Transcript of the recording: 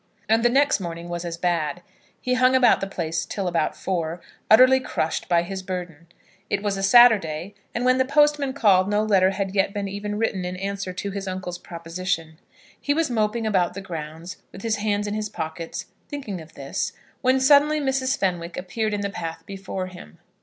And the next morning was as bad. He hung about the place till about four, utterly crushed by his burden. It was a Saturday, and when the postman called no letter had yet been even written in answer to his uncle's proposition. He was moping about the grounds, with his hands in his pockets, thinking of this, when suddenly Mrs. Fenwick appeared in the path before him.